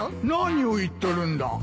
何を言っとるんだ